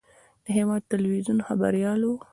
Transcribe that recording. د هېواد تلویزیون خبریال و.